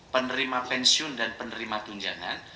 penerima pensiun dan penerima tunjangan